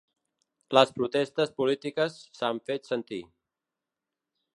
Les protestes polítiques s’han fet sentir.